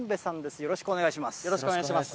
よろしくお願いします。